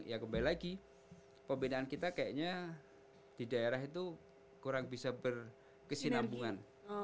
ya kembali lagi pembinaan kita kayaknya di daerah itu kurang bisa berkesinambungan